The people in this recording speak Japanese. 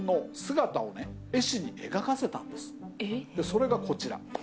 それがこちら。